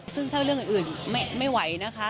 ซึ่งถ้าเรื่องอื่นไม่ไหวนะคะ